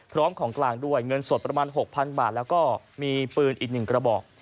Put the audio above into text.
ของกลางด้วยเงินสดประมาณ๖๐๐๐บาทแล้วก็มีปืนอีก๑กระบอก